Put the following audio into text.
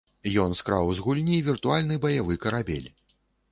Ён скраў з гульні віртуальны баявы карабель.